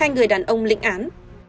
hai người đàn ông lĩnh án